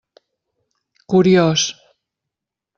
Curiós.